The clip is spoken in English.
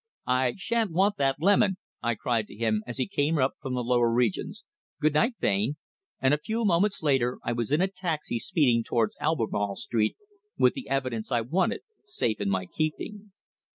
"I shan't want that lemon!" I cried to him as he came up from the lower regions. "Good night, Bain!" and a few moments later I was in a taxi speeding towards Albemarle Street, with the evidence I wanted safe in my keeping.